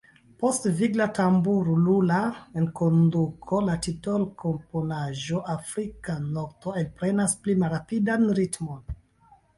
Post vigla tambur-ulula enkonduko, la titolkomponaĵo Afrika nokto alprenas pli malrapidan ritmon.